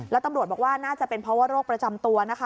แล้วตำรวจบอกว่าน่าจะเป็นเพราะว่าโรคประจำตัวนะคะ